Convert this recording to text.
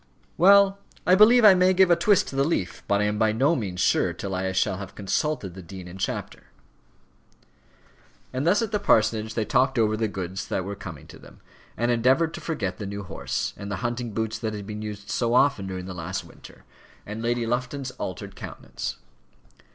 "Well I believe I may give a twist to the leaf; but I am by no means sure till I shall have consulted the dean in chapter." And thus at the parsonage they talked over the good things that were coming to them, and endeavoured to forget the new horse, and the hunting boots that had been used so often during the last winter, and Lady Lufton's altered countenance.